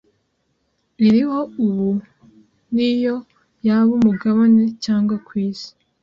iriho ubu niyo yaba umugabane cyangwa kwisi